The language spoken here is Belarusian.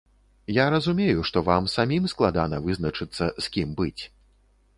Я разумею, што вам самім складана вызначыцца, з кім быць.